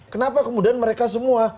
kenapa kemudian mereka semua